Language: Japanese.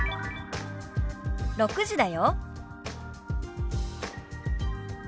「６時だよ」。